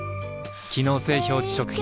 機能性表示食品